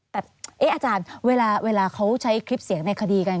แต่อาจารย์เวลาเขาใช้คลิปเสียงในคดีกัน